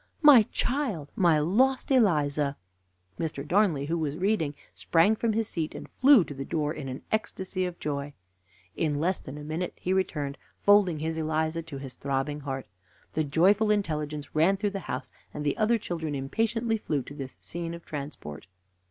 My child! My lost Eliza!" Mr. Darnley, who was reading, sprang from his seat, and flew to the door in a ecstasy of joy. In less than a minute he returned folding his Eliza to his throbbing heart. The joyful intelligence ran through the house, and the other children impatiently flew to this scene of transport.